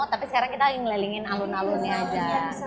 tapi sekarang kita lagi melelingin alun alunnya aja